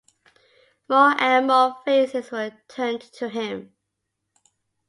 More and more faces were turned to him.